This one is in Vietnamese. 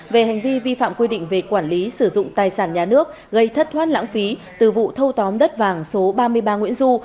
về hành vi vi phạm quy định về quản lý sử dụng tài sản nhà nước gây thất thoát lãng phí từ vụ thâu tóm đất vàng số ba mươi ba nguyễn du